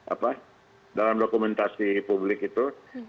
apa dalam dokumentasi publik itu